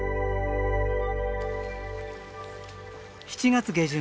７月下旬